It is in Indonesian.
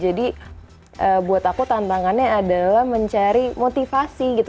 jadi buat aku tantangannya adalah mencari motivasi gitu